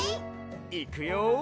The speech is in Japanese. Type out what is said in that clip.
いくよ？